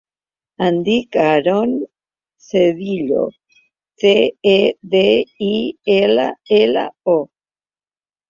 Em dic Aaron Cedillo: ce, e, de, i, ela, ela, o.